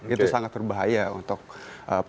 itu sangat berbahaya untuk